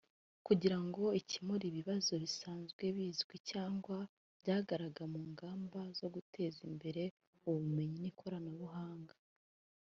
kugira ngo ikemure ibibazo bisanzwe bizwi cyangwa byagaragara mu ngamba zo guteza imbere ubumenyi n’ikoranabuhanga